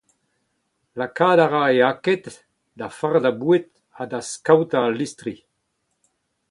Lakaat a ra e aket da fardañ boued ha da skaotañ al listri.